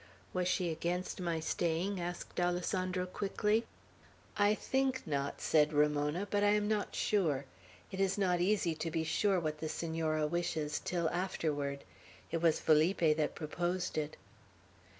"Was she against my staying?" asked Alessandro, quickly. "I think not," said Ramona, "but I am not sure. It is not easy to be sure what the Senora wishes, till afterward. It was Felipe that proposed it."